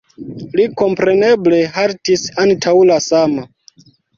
Li kompreneble haltis antaŭ la sama.